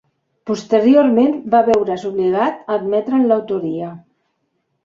Posteriorment va veure's obligat a admetre'n l'autoria.